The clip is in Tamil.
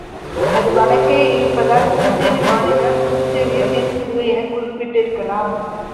அது வடக்கேயிருப்பதால் புதுச்சேரி மாநிலப் புதுச்சேரியைத் தென் புதுவை எனக் குறிப்பிட்டிருக்கலாம்.